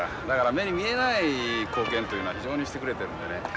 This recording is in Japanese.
だから目に見えない貢献というのは非常にしてくれてるんでね。